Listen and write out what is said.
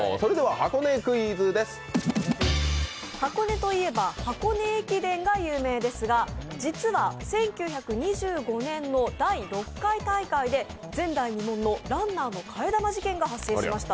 箱根といえば箱根駅伝が有名ですが、実は１９２５年の第６回大会で前代未聞のランナーの替え玉事件が発生しました。